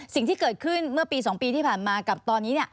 สิ่งที่เกิดขึ้นเมื่อปี๒ปีที่ผ่านมากับตอนนี้